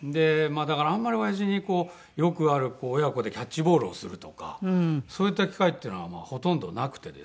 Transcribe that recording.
だからあんまり親父にこうよくある親子でキャッチボールをするとかそういった機会っていうのはほとんどなくてですね。